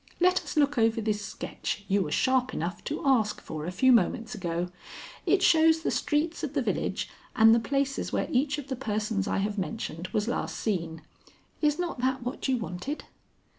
Let us look over this sketch you were sharp enough to ask for a few moments ago. It shows the streets of the village and the places where each of the persons I have mentioned was last seen. Is not that what you wanted?"